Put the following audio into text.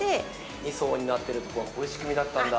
◆２層になっているところは、こういう仕組みだったんだ。